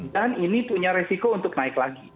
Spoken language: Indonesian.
dan ini punya resiko untuk naik lagi